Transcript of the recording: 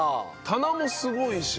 棚もすごいし。